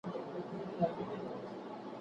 په وزارتونو کي باید شفافیت موجود وي.